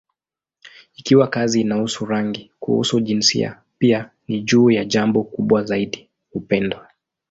Ikiwa kazi inahusu rangi, kuhusu jinsia, pia ni juu ya jambo kubwa zaidi: upendo.